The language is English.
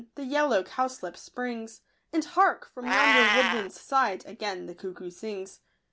The yellow cowslip springs ; And, hark ! from yonder woodland's side Again the Cuckoo sings.